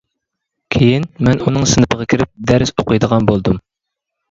كېيىن مەن ئۇنىڭ سىنىپىغا كىرىپ دەرس ئوقۇيدىغان بولدۇم.